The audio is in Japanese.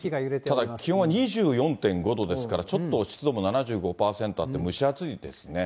ただ気温は２４．５度ですから、ちょっと湿度も７５％あって、蒸し暑いですね。